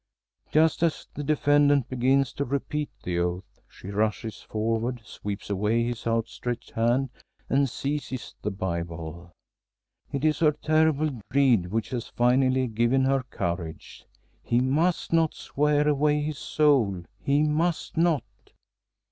Just as the defendant begins to repeat the oath, she rushes forward, sweeps away his outstretched hand, and seizes the Bible. It is her terrible dread which has finally given her courage. He must not swear away his soul; he must not!